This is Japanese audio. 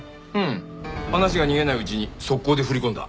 話が逃げないうちにソッコーで振り込んだ。